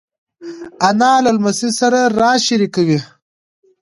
انا له لمسۍ سره راز شریکوي